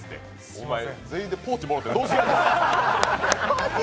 お前、全員でポーチもろてどうすんねん！